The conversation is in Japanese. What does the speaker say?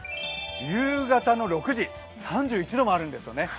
夕方の６時、３１度もあるんですよね。